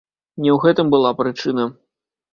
Не ў гэтым была прычына.